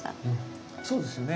そうですよね。